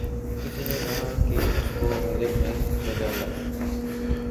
کس نے کہا کہ اس کو غزل میں سجا لا